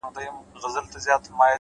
تامي د خوښۍ سترگي راوباسلې مړې دي كړې ـ